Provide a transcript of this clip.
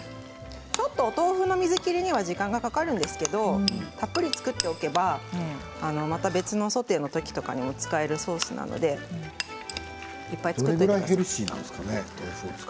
ちょっとお豆腐の水切りには時間がかかるんですけれどたっぷり作っておけばまた別のソテーのときとかにも使えるソースなのでいっぱい作っておいてください。